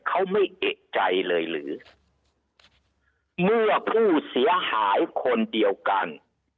เขาไม่เอกใจเลยหรือเมื่อผู้เสียหายคนเดียวกัน